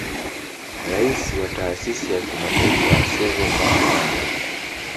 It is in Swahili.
Rais wa taasisi ya Kimataifa ya Seven Natural Wonders